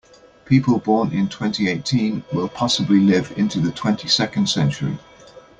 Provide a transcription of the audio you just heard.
People born in twenty-eighteen will possibly live into the twenty-second century.